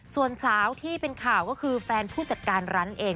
ส่วนสาวที่เป็นข่าวก็คือแฟนผู้จัดการร้านเอง